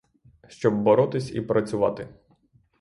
Щоб боротись і працювати.